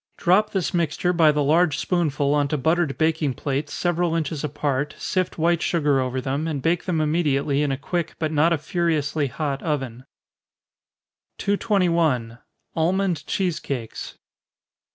Drop this mixture by the large spoonful on to buttered baking plates, several inches apart, sift white sugar over them, and bake them immediately in a quick, but not a furiously hot oven. 221. _Almond Cheese Cakes.